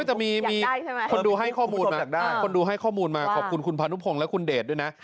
แต่มีคนดูให้ข้อมูลมาขอบคุณคุณพานุพงค์และคุณเดชน์ด้วยนะ